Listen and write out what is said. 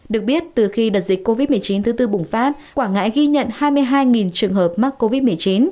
được biết từ khi đợt dịch covid một mươi chín thứ tư bùng phát quảng ngãi ghi nhận hai mươi hai trường hợp mắc covid một mươi chín